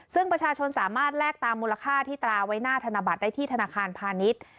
ซึ่งประชาชนสามารถแลกตามมูลค่าที่ตราไว้หน้าธนบัตรได้ที่ธนาคารพาณิชย์